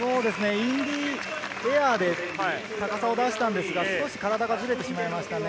インディエアで高さを出したんですが、少し体がずれてしまいましたね。